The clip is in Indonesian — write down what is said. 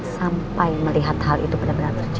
sampai melihat hal itu benar benar terjadi